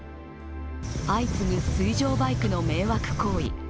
相次ぐ水上バイクの迷惑行為。